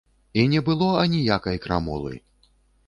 І не было аніякай крамолы!